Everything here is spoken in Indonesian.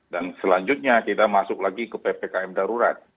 dan selanjutnya kita masuk lagi ke ppkm darurat